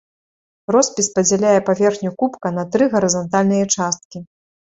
Роспіс падзяляе паверхню кубка на тры гарызантальныя часткі.